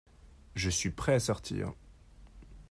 Je suis prêt à sortir.